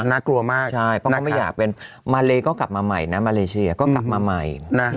น่ากลัวมากใช่เพราะเขาไม่อยากเป็นมาเลก็กลับมาใหม่นะมาเลเซียก็กลับมาใหม่